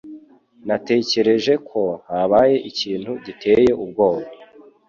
Natekereje ko habaye ikintu giteye ubwoba.